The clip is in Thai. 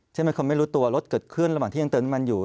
ใช่ไหมคนไม่รู้ตัวรถเกิดขึ้นระหว่างที่ยังเติมน้ำมันอยู่